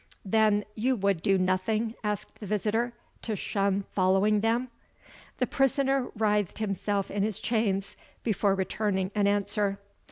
"Then you would do nothing," asked the visitor, "to shun following them?" The prisoner writhed himself in his chains before returning an answer.